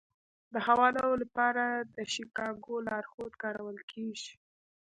د حوالو لپاره د شیکاګو لارښود کارول کیږي.